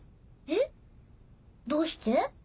えっどうして？